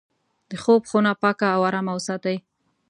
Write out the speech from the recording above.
د خوب خونه پاکه او ارامه وساتئ.